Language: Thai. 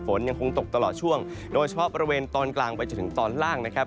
ฝนยังคงตกตลอดช่วงโดยเฉพาะบริเวณตอนกลางไปจนถึงตอนล่างนะครับ